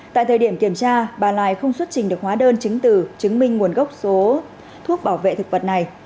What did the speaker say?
tại thời điểm kiểm tra bà lài không xuất trình được hóa đơn chứng từ chứng minh nguồn gốc số thuốc bảo vệ thực vật này